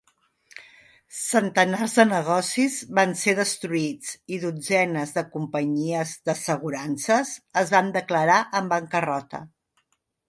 Centenars de negocis van ser destruïts i dotzenes de companyies d'assegurances es van declarar en bancarrota.